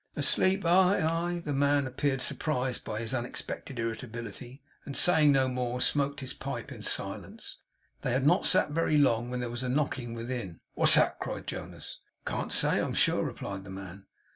'Asleep! Aye, aye.' The man appeared surprised by his unexpected irritability, and saying no more, smoked his pipe in silence. They had not sat very long, when there was a knocking within. 'What's that?' cried Jonas. 'Can't say, I'm sure,' replied the man.